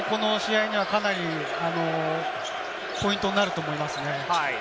彼も得点もこの試合にはかなりポイントになると思いますね。